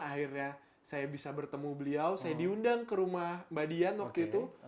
akhirnya saya bisa bertemu beliau saya diundang ke rumah mbak dian waktu itu